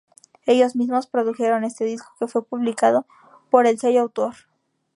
Ellos mismos produjeron este disco que fue publicado por el Sello Autor.